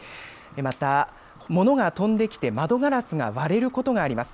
また、物が飛んできて窓ガラスが割れることがあります。